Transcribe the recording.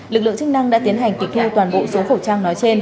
lực lượng chức năng đã tiến hành kịch theo toàn bộ số khẩu trang nói trên